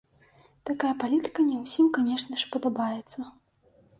Такая палітыка не ўсім, канешне ж, падабаецца.